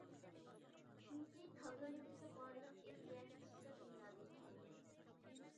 چۈنكى كاللىمىزدىكى بارلىق ئىدىيە سىرتقى دۇنيادىن كەلگەن.